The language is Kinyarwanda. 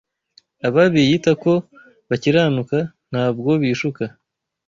Aba biyita ko bakiranuka ntabwo bishuka